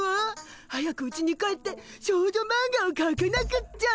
早くうちに帰って少女マンガをかかなくちゃ。